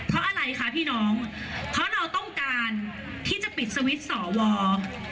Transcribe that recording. เพราะอะไรคะพี่น้องเพราะเราต้องการที่จะปิดสวิตช์สอวอ